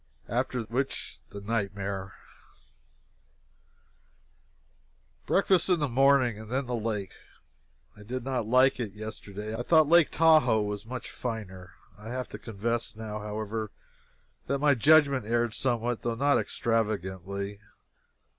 After which, the nightmare. Breakfast in the morning, and then the lake. I did not like it yesterday. I thought Lake Tahoe was much finer. I have to confess now, however, that my judgment erred somewhat, though not extravagantly.